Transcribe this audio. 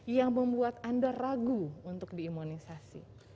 yang membuat anda ragu untuk di imunisasi